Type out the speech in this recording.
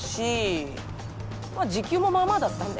時給もまあまあだったんで。